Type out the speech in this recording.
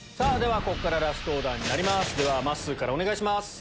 ここからラストオーダーになりますまっすーからお願いします。